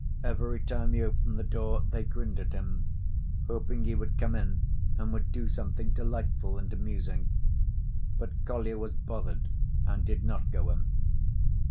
Every time he opened the door they grinned at him, hoping he would come in and would do something delightful and amusing. But Kolya was bothered and did not go in.